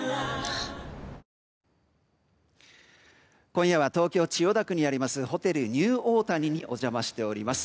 今夜は東京・千代田区にあるホテルニューオータニにお邪魔しております。